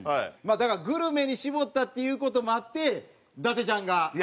だからグルメに絞ったっていう事もあって伊達ちゃんが。